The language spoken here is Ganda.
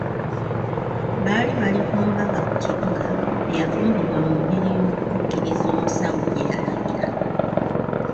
Baali bali ku mbaga ku kibuga eyafumbibwa mu ngeri y'okutuukiriza omusawo bye yalagira.